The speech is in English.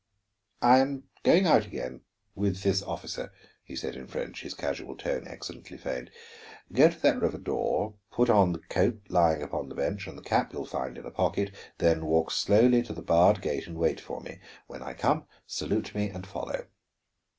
"I am going out again with this officer," he said in French, his casual tone excellently feigned. "Go to that river door, put on the coat lying upon the bench and the cap you will find in a pocket, then walk slowly to the barred gate and wait for me. When I come, salute me and follow."